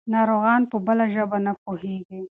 ناروغان په بله ژبه نه پوهېږي.